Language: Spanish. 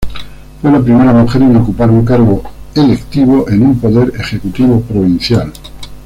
Fue la primera mujer en ocupar un cargo electivo en un Poder Ejecutivo provincial.